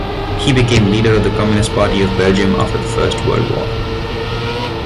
He became leader of the Communist Party of Belgium after the First World War.